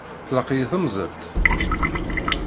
Tlaq-iyi temzelt?